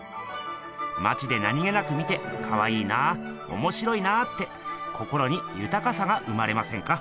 まちで何気なく見てかわいいなおもしろいなって心にゆたかさが生まれませんか？